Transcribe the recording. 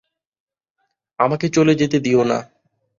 আমাকে চলে যেতে দিও না।